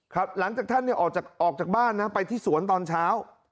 หลังจากท่านเนี่ยออกจากออกจากบ้านนะไปที่สวนตอนเช้า